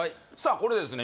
これですね